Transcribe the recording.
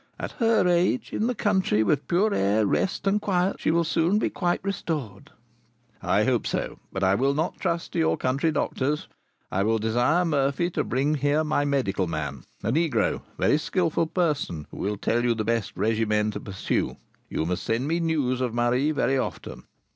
At her age, in the country, with pure air, rest, and quiet, she will soon be quite restored." "I hope so; but I will not trust to your country doctors. I will desire Murphy to bring here my medical man, a negro, a very skilful person, who will tell you the best regimen to pursue. You must send me news of Marie very often.